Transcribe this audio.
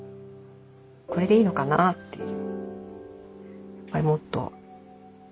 これでいいのかなという。